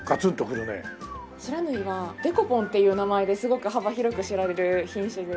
不知火はデコポンっていう名前ですごく幅広く知られる品種で。